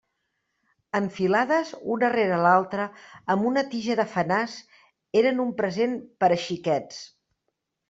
Enfilades una rere l'altra amb una tija de fenàs, eren un present per a xiquets.